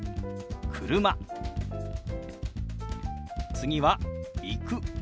次は「行く」。